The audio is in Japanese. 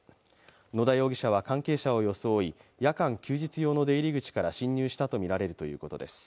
野田容疑者は、関係者を装い、夜間・休日用の出入り口から侵入したとみられるということです。